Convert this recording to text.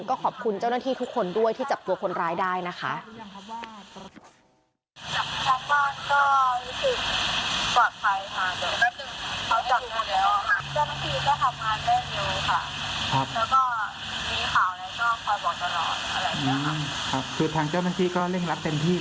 ก็ขอบคุณเจ้าหน้าที่ทุกคนด้วยที่จับตัวคนร้ายได้นะคะ